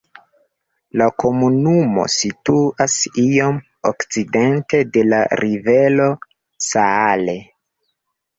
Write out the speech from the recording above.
La komunumo situas iom okcidente de la rivero Saale.